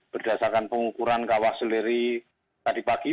berdasarkan pengukuran kawah seleri tadi pagi